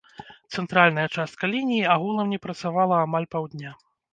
Цэнтральная частка лініі агулам не працавала амаль паўдня.